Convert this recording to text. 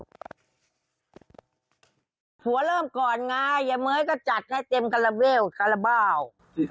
หัวเริ่มก่อนงานเหมือยก็จัดให้เต็มกระเวลกระบ่าว